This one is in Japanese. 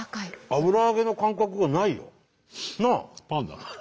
油揚げの感覚がないよ。なあ？